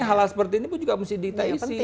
hal hal seperti ini pun juga mesti kita isi